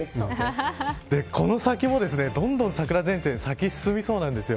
この先も、どんどん桜前線先に進みそうなんです。